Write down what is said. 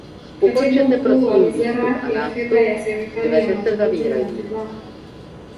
Katibu Mkuu wa Wizara ya Fedha ya Serikali ya Mapinduzi Zanzibar